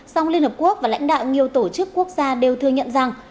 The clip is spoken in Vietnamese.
song liên hợp quốc và lãnh đạo nhiều tổ chức quốc gia đều thừa nhận rằng